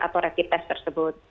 atau rapid test tersebut